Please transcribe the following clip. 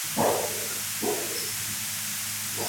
কথা বন্ধ করে দরজা খুলো।